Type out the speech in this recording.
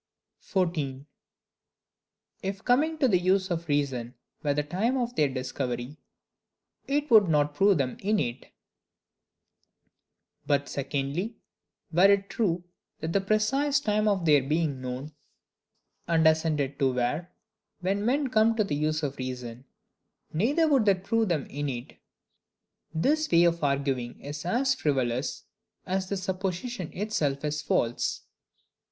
14. If coming to the Use of Reason were the Time of their Discovery, it would not prove them innate. But, secondly, were it true that the precise time of their being known and assented to were, when men come to the use of reason; neither would that prove them innate. This way of arguing is as frivolous as the supposition itself is false.